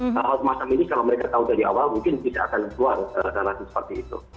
kalau mereka tahu dari awal mungkin bisa akan keluar dan lain seperti itu